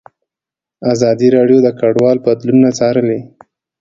ازادي راډیو د کډوال بدلونونه څارلي.